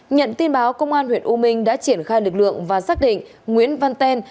nhận tin báo công an huyện u minh đã triển khai lực lượng và xác định nguyễn văn ten